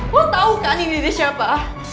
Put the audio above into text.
lo tau kan ini siapa